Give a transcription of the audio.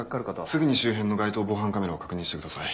すぐに周辺の該当防犯カメラを確認してください。